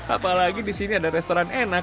apalagi di sini ada restoran enak